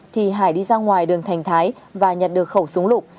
thì hải đi ra ngoài đường thành thái và nhận được khẩu súng lụt